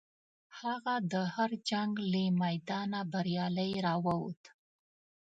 هغه د هر جنګ له میدانه بریالی راووت.